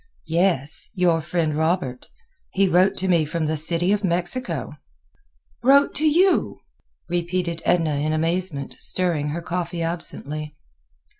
"Yes, your friend Robert. He wrote to me from the City of Mexico." "Wrote to you?" repeated Edna in amazement, stirring her coffee absently.